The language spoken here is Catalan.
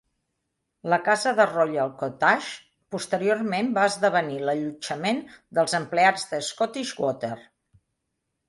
La casa, "Royal Cottage", posteriorment va esdevenir l'allotjament dels empleats de Scottish Water.